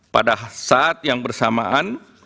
pada saat yang bersamaan